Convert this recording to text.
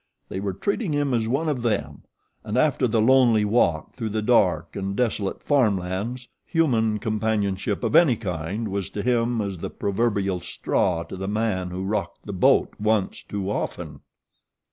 They were treating him as one of them, and after the lonely walk through the dark and desolate farm lands human companionship of any kind was to him as the proverbial straw to the man who rocked the boat once too often.